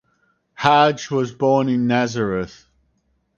Haj was born in Nazareth.